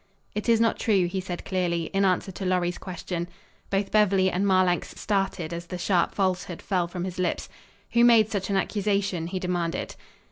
"It is not true," he said clearly, in answer to Lorry's question. Both Beverly and Marlanx started as the sharp falsehood fell from his lips. "Who made such an accusation?" he demanded.